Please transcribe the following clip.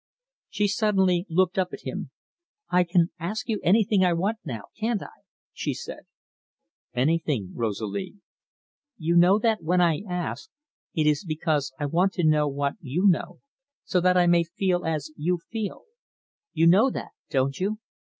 She suddenly looked up at him. "I can ask you anything I want now, can't I?" she said. "Anything, Rosalie." "You know that when I ask, it is because I want to know what you know, so that I may feel as you feel. You know that, don't you?